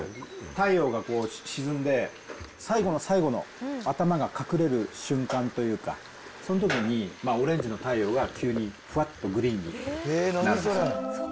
太陽が沈んで、最後の最後の頭が隠れる瞬間というか、そのときにオレンジの太陽が急にふわっとグリーンになるんですよ。